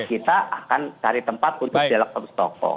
kita akan cari tempat untuk dialog seratus stokoh